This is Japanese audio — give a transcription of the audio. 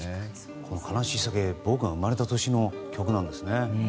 「悲しい酒」は僕が生まれた年の曲なんですね。